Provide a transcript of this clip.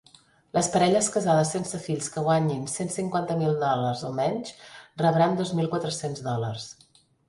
Les parelles casades sense fills que guanyin cent cinquanta mil dòlars o menys rebran dos mil quatre-cents dòlars.